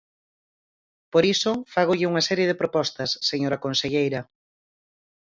Por iso, fágolle unha serie de propostas, señora conselleira.